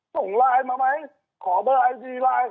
ส่งไลน์มาไหมขอเบอร์ไอซีไลน์